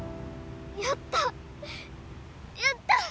やったやった！